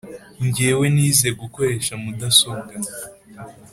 Nge we nize gukoresha mudasobwa